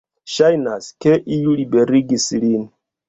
Ŝajnas, ke iu liberigis lin.